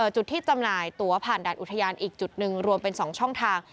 จุดที่จำหน่ายตัวผ่านด่านอุทยานอีกจุดหนึ่งรวมเป็น๒ช่องทาง